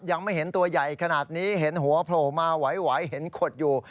ยังไม่เห็นตัวใหญ่ขนาดนี้เห็นหัวโผล่มาไหวเห็นขดอยู่